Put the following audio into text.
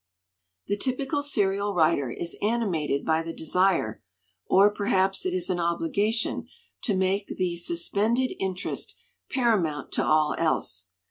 "The typical serial writer is animated by the desire, or perhaps it is an obligation, to make the 'suspended interest' paramount to all else.